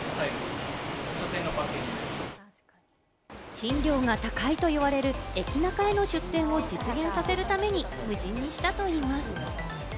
賃料が高いと言われる駅ナカへの出店を実現させるために、無人にしたといいます。